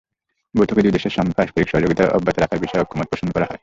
বৈঠকে দুই দেশের পারস্পরিক সহযোগিতা অব্যাহত রাখার বিষয়ে ঐকমত্য পোষণ করা হয়।